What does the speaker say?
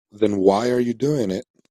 Then why are you doing it?